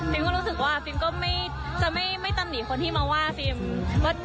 ก็รู้สึกว่าฟิล์มก็จะไม่ตำหนิคนที่มาว่าฟิล์ม